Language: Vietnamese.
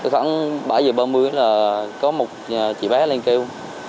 khoảng bảy giờ ba mươi là có một chị bé lên kêu